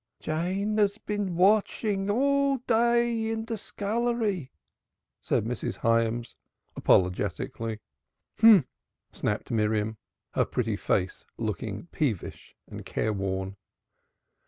"Jane has been washing all day in the scullery," said Mrs. Hyams apologetically. "H'm!" snapped Miriam, her pretty face looking peevish and careworn.